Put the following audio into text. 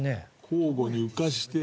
交互に浮かせて。